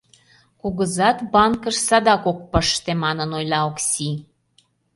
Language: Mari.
Кугызат банкыш садак ок пыште, — манын ойла Оксий.